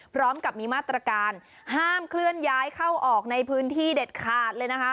พร้อมกับมีมาตรการห้ามเคลื่อนย้ายเข้าออกในพื้นที่เด็ดขาดเลยนะคะ